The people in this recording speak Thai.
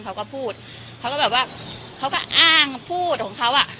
เขาก็พูดเขาก็แบบว่าเขาก็อ้างพูดของเขาอ่ะ